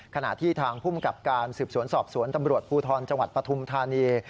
ขณะที่ทางภูมิกับการสืบสวนสอบสวนตำรวจภูทรจังหวัดปฐุมธานี